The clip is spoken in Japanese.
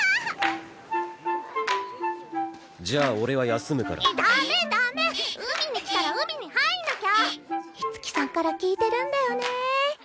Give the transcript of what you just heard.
じゃあ俺は休むからダメダメ海に来たら海に入んなきゃ五月さんから聞いてるんだよね